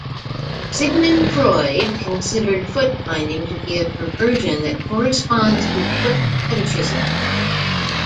Sigmund Freud considered footbinding to be a "perversion that corresponds to foot fetishism".